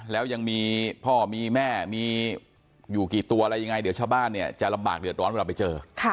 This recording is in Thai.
แล้วยังมีพ่อมีแม่มีอยู่กี่ตัวอะไรยังไงเดี๋ยวชาวบ้านเนี่ยจะลำบากเดือดร้อนเวลาไปเจอ